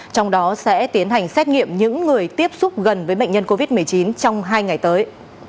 trong đó sẽ tiến hành xét nghiệm những người tiếp xúc gần với bệnh nhân covid một mươi chín trong hai ngày tới